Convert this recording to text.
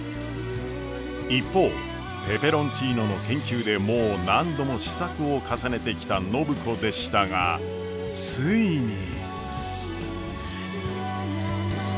一方ペペロンチーノの研究でもう何度も試作を重ねてきた暢子でしたがついに。